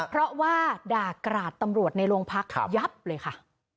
เพราะว่าด่ากราดตำรวจในโรงพักยับเลยค่ะ